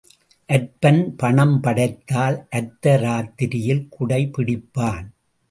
அற்பன் பணம் படைத்தால் அர்த்த ராத்திரியில் குடை பிடிப்பான்.